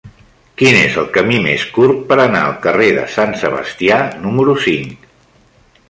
Quin és el camí més curt per anar al carrer de Sant Sebastià número cinc?